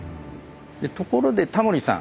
ところでタモリさん。